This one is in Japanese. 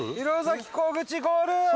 ゴール？